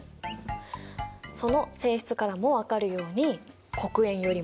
その性質からも分かるように黒鉛よりも。